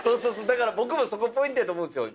だから僕もそこポイントやと思うんですよ。